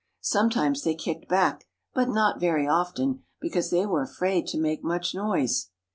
Sometimes they kicked back, but not very often, because they were afraid to make much noise.